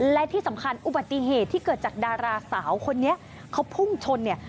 และที่สำคัญอุบัติเหตุที่เกิดจากดาราสาวคนนี้เขาพุ่งชนเนี่ย